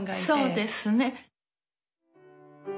そうですね。